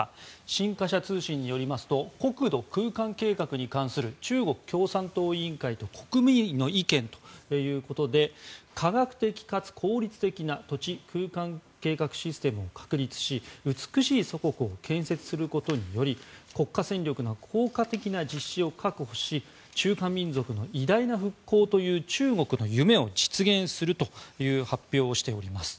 新華社通信によりますと国土空間計画に関する中国共産党委員会と国務院の意見ということで科学的かつ効率的な土地・空間計画システムを確立し美しい祖国を建設することにより国家戦略の効果的な実施を確保し中華民族の偉大な復興という中国の夢を実現するという発表をしております。